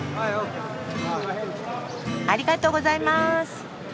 ありがとうございます。